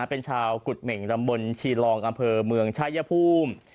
เป็นชาวกุฎเหม่งดำบลชีรองอำเภอเมืองชายภูมิ